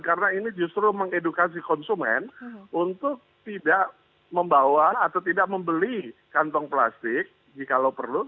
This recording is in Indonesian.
karena ini justru mengedukasi konsumen untuk tidak membawa atau tidak membeli kantong plastik jika perlu